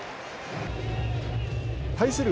対する